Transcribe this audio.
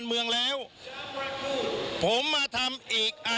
ชูเว็ดตีแสดหน้า